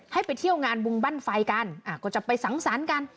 ให้ไปเที่ยวงานบุงบั้นไฟกันก็จะไปสังสรรค์กัน